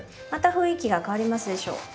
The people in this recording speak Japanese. また雰囲気が変わりますでしょ？